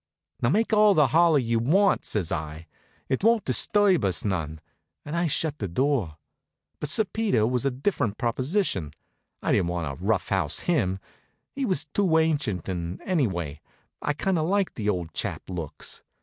"Now make all the holler you want," says I. "It won't disturb us none," and I shut the door. But Sir Peter was a different proposition. I didn't want to rough house him. He was too ancient; and anyway, I kind of liked the old chap's looks.